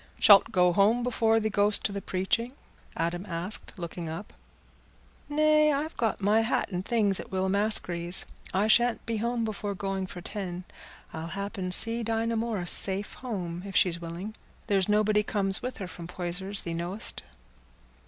"Shalt go home before thee go'st to the preaching?" Adam asked, looking up. "Nay; I've got my hat and things at Will Maskery's. I shan't be home before going for ten. I'll happen see Dinah Morris safe home, if she's willing. There's nobody comes with her from Poyser's, thee know'st."